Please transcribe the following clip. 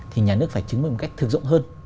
thì nhà nước phải chứng minh một cách thường rộng hơn